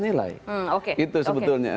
nilai itu sebetulnya